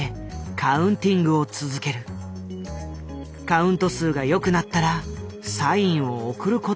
カウント数が良くなったらサインを送ることになっていた。